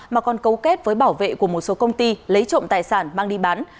mà còn cấu kết với bảo vệ của một số công ty lấy trộm tài sản mang đi bán